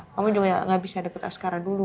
kamu juga gak bisa deket deket ascara dulu